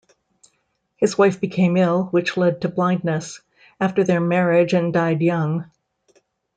His wife became ill, which led to blindness, after their marriage and died young.